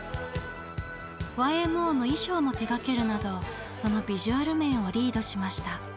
ＹＭＯの衣装も手がけるなどそのビジュアル面をリードしました。